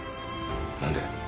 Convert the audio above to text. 何で？